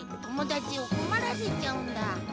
友達を困らせちゃうんだ。